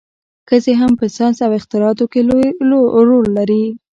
ښځې هم په ساینس او اختراعاتو کې لوی رول لري.